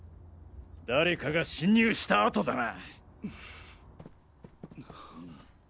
誰かが侵入した跡だな。